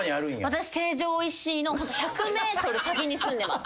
私成城石井の１００ｍ先に住んでます。